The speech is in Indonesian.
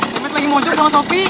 kemet lagi monyet sama sofi